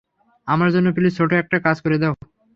আমার জন্য প্লিজ ছোট একটা কাজ করে দাও।